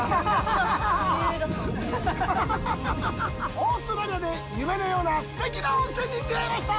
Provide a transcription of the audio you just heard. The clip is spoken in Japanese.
オーストラリアで夢のようなすてきな温泉に出会いました！